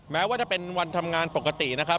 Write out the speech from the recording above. แม้ว่าจะเป็นวันทำงานปกตินะครับ